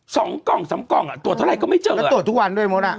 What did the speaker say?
สองกล่องสามกล่องอ่ะตรวจเท่าไรก็ไม่เจอก็ตรวจทุกวันด้วยมดอ่ะ